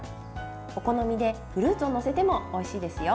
お好みでフルーツを載せてもおいしいですよ。